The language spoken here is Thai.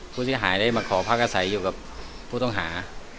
ผู้เสียหายได้มาขอพักอาศัยอยู่กับผู้ต้องหา